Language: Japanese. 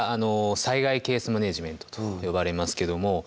災害ケースマネジメントと呼ばれますけども。